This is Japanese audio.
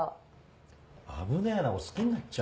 危ねえなこれ好きになっちゃう。